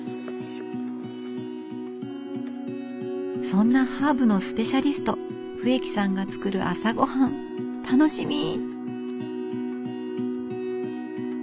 そんなハーブのスペシャリスト笛木さんが作る朝ごはん楽しみ！